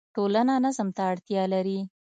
ټولنه نظم ته اړتیا لري.